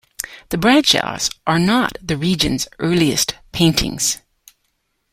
The Bradshaws are not the regions' earliest paintings.